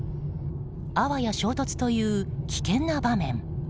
あわや衝突という危険な場面。